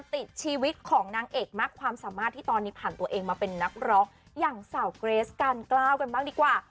ติดชีวิตของนางเอกมากความสามารถที่ตอนนี้ผ่านตัวเองมาเป็นนักร้องอย่างสาวเกรสการกล้าวกันบ้างดีกว่า